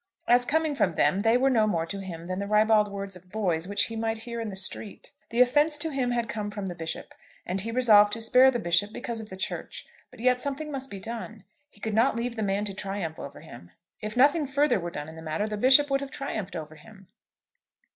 As coming from them, they were no more to him than the ribald words of boys which he might hear in the street. The offence to him had come from the Bishop, and he resolved to spare the Bishop because of the Church. But yet something must be done. He could not leave the man to triumph over him. If nothing further were done in the matter, the Bishop would have triumphed over him.